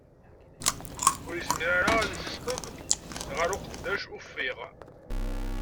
Ur yezmir ara ad isesteb ɣer uqeddac uffiɣ.